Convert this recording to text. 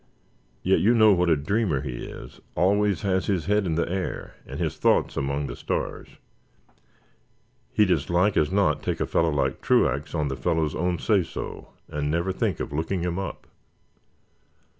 "Yet you know what a dreamer he is. Always has his head in the air and his thoughts among the stars. He'd as like as not take a fellow like Truax on the fellow's own say so, and never think of looking him up."